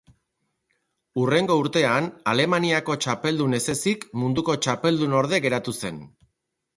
Hurrengo urtean, Alemaniako txapeldun ez ezik munduko txapeldunorde geratu zen.